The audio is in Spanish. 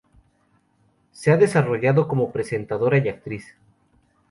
Se ha desarrollado como presentadora y actriz.